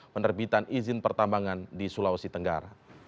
penerbitan izin pertambangan di sulawesi tenggara